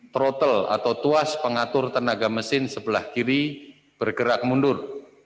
trottle atau tuas pengatur tenaga mesin sebelah kiri bergerak mundur